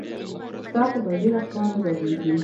ستا خو به ډېره خوا نه بدېږي.